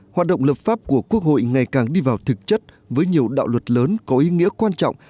hoạt động lập pháp của quốc hội ngày càng đi vào thực chất với nhiều đạo luật lớn có ý nghĩa quan trọng